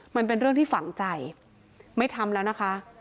มันเป็นเรื่องที่ฝังใจไม่ทำแล้วนะคะ